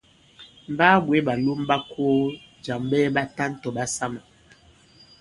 M̀ ɓaa bwě ɓàlom ɓa ko jàm ɓɛɛ ɓatan tɔ̀ ɓasamà.